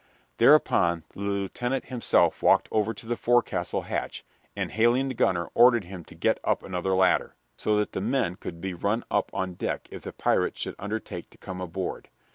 Thereupon the lieutenant himself walked over to the forecastle hatch, and, hailing the gunner, ordered him to get up another ladder, so that the men could be run up on deck if the pirates should undertake to come aboard.